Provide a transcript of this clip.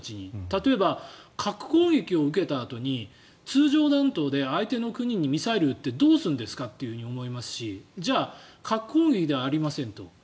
例えば、核攻撃を受けたあとに通常弾頭で相手の国にミサイルを撃ってどうするんですかって思いますしじゃあ核攻撃ではありませんと。